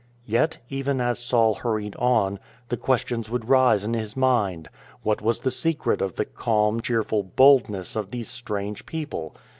Yet, even as Saul hurried on, the questions would rise in his mind: What was the secret of the calm, cheerful boldness of these strange people?